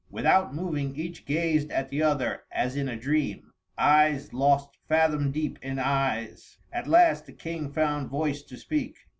Without moving, each gazed at the other as in a dream eyes lost fathom deep in eyes. At last the King found voice to speak.